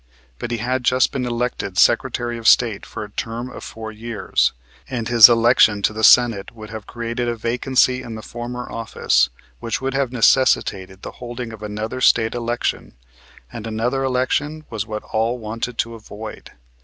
But he had just been elected Secretary of State for a term of four years, and his election to the Senate would have created a vacancy in the former office which would have necessitated the holding of another State election and another election was what all wanted to avoid.